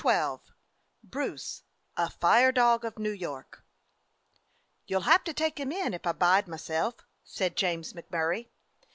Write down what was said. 252 BRUCE: A FIRE DOG OF NEW YORK Y OU 'll have to take him in, if I bide my self," said James MacMurray.